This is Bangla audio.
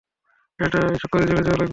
এই চক্করে জেলে যাওয়া লাগবে।